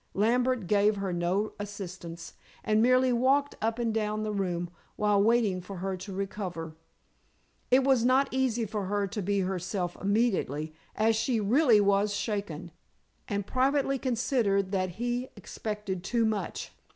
Lambert gave her no assistance, and merely walked up and down the room while waiting for her to recover. It was not easy for her to be herself immediately, as she really was shaken, and privately considered that he expected too much.